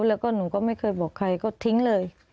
แล้วก็หนูก็ไม่เคยบอกใครก็ทิ้งเลย